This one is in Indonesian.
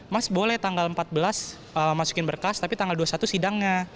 mas boleh tanggal empat belas masukin berkas tapi tanggal dua puluh satu sidangnya